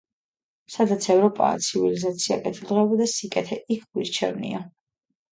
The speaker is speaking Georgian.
სადაც ევროპაა, ცივილიზაცია, კეთილდღეობა და სიკეთე, იქ გვირჩევნია.